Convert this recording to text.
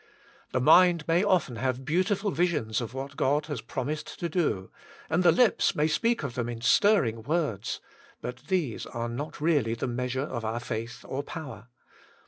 The mind may often have beauti ful visions of what God has promised to do, and the lips may speak of them in stirring words, but these are not really the measure of our faith or power.